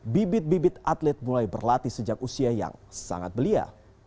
bibit bibit atlet mulai berlatih sejak usia yang sangat belia